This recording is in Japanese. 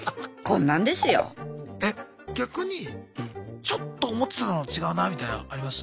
え逆にちょっと思ってたのと違うなみたいのあります？